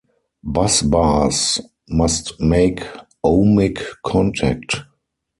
Bus bars must make ohmic contact.